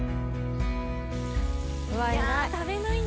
うわ偉い。